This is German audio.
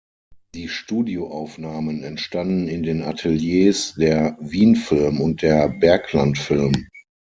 Die Studioaufnahmen entstanden in den Ateliers der Wien-Film und der Bergland-Film.